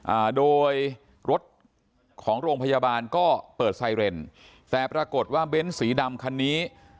อ่าโดยรถของโรงพยาบาลก็เปิดไซเรนแต่ปรากฏว่าเบ้นสีดำคันนี้